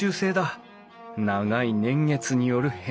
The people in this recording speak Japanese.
長い年月による変色！